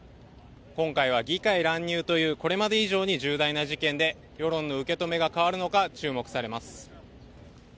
今回は議会乱入というこれまで以上に重大な事件で世論の受け止めが変わるのか注目されます。